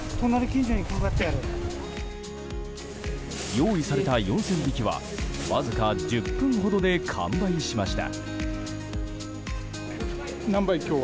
用意された４０００匹はわずか１０分ほどで完売しました。